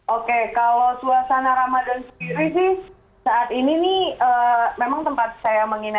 oke kalau suasana ramadan sendiri sih saat ini nih memang tempat saya menginap